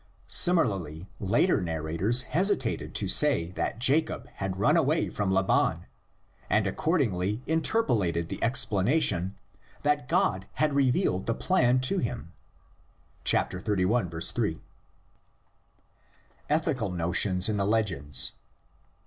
Similarly, later narrators hesitated to say that Jacob had run away from Laban and accordingly interpolated the explanation that God had revealed the plan to him (xxxi. 3). ETHICAL NOTIONS IN THE LEGENDS.